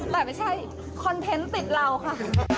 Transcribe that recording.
แต่ไม่ใช่คอนเทนต์ติดเราค่ะ